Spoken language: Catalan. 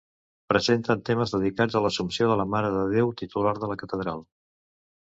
Presenten temes dedicats a l'Assumpció de la Mare de Déu, titular de la Catedral.